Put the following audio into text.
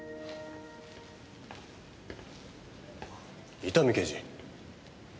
伊丹刑事。